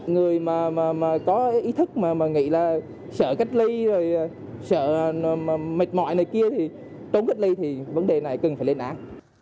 người mà có ý thức mà nghĩ là sợ cách ly rồi sợ mệt mỏi này kia thì trốn cách ly thì vấn đề này cần phải lên án